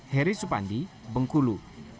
heri supandi bengkulu